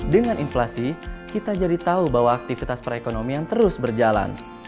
dengan inflasi kita jadi tahu bahwa aktivitas perekonomian terus berjalan